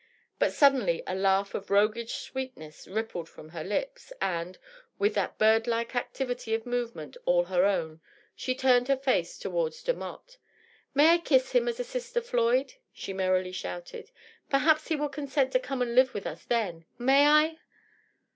But suddenly a laugh of roguish sweetness rippled from her lips, and, with that bird like activity of movement all her own, she turned her face toward Demotte. " May I kiss him as a sister, Floyd ?" she merrily shouted. " Perhaps he will consent to come and live with us then ! May I